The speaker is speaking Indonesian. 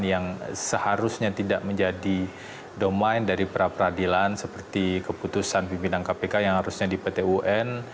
yang seharusnya tidak menjadi domain dari peradilan seperti keputusan pimpinan kpk yang harusnya di pt un